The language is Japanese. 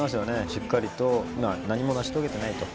しっかりと何も成し遂げてないと。